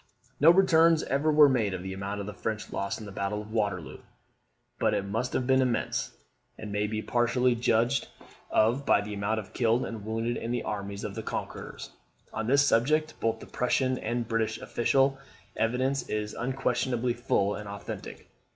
No returns ever were made of the amount of the French loss in the battle of Waterloo; but it must have been immense, and may be partially judged of by the amount of killed and wounded in the armies of the conquerors. On this subject both the Prussian and British official evidence is unquestionably full and authentic.